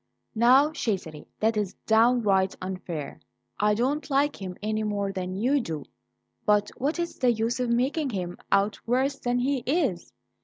"Now, Cesare, that's downright unfair. I don't like him any more than you do, but what is the use of making him out worse than he is?